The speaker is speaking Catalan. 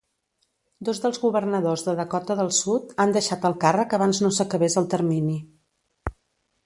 Dos dels governadors de Dakota del Sud han deixat el càrrec abans no s'acabés el termini.